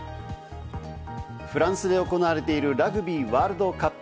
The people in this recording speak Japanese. フランスで行われているラグビーワールドカップ。